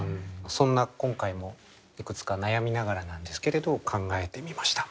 そんな今回もいくつか悩みながらなんですけれど考えてみました。